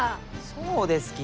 そうですき！